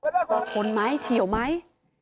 ชนไหมเฉียวไหม